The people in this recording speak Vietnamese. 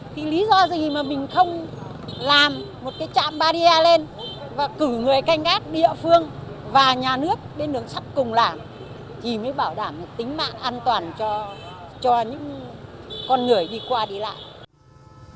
thì lý do gì mà mình không làm một cái trạm baria lên và cử người canh gác đi ở phương và nhà nước bên đường sắt cùng là thì mới bảo đảm tính mạng an toàn cho cho những con người đi qua đi lại